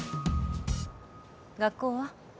学校は？